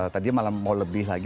tadi malah mau lebih lagi